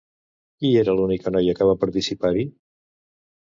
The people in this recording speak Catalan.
Qui era l'única noia que va participar-hi?